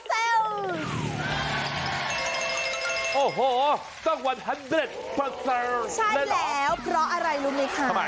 ใช่แล้วเพราะอะไรรู้ไหมคะ